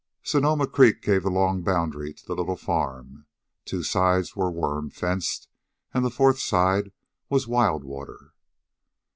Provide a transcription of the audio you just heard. Sonoma Creek gave the long boundary to the little farm, two sides were worm fenced, and the fourth side was Wild Water.